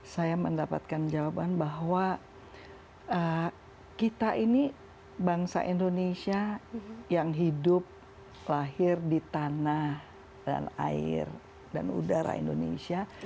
saya mendapatkan jawaban bahwa kita ini bangsa indonesia yang hidup lahir di tanah dan air dan udara indonesia